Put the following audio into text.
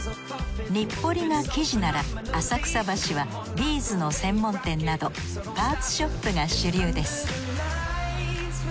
日暮里が生地なら浅草橋はビーズの専門店などパーツショップが主流です